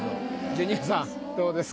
ジュニアさんどうですか？